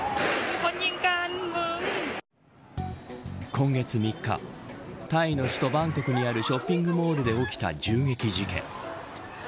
今月３日タイの首都バンコクにあるショッピングモールで起きた銃撃事件。